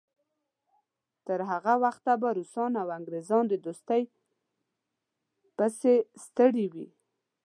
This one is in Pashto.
تر هغه وخته به روسان او انګریزان د دوستۍ پسې ستړي وي.